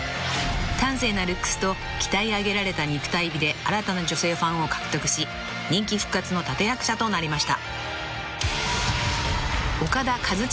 ［端正なルックスと鍛え上げられた肉体美で新たな女性ファンを獲得し人気復活の立役者となりました］